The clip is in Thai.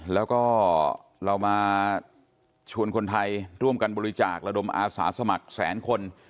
แล้วก็เรามาชวนคนไทยร่วมกันบริจาคระดมอาสาสมัครแสนคน